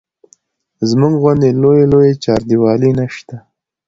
زموږ غوندې لویې لویې چاردیوالۍ نه شته.